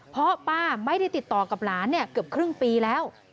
เพราะป้าไม่ได้ติดต่อกับหลานเกือบครึ่งปีแล้ว